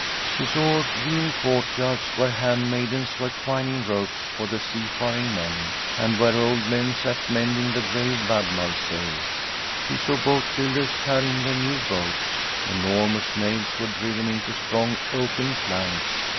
She saw green courtyards, where handmaidens were twining ropes for the seafaring men, and where old men sat mending the g^y wadmal sails. She saw the boat builders tarring the new boats. Enormous nails were driven into strong oaken planks.